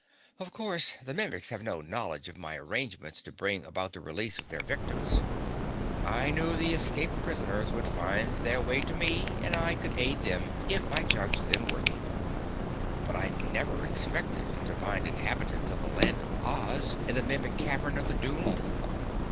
Of course the Mimics have no knowledge of my arrangements to bring about the release of their victims. I knew the escaped prisoners would find their way to me and I could aid them if I judged them worthy. But I never expected to find inhabitants of the Land of Oz in the Mimic Cavern of the Doomed!"